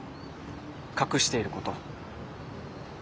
隠していること。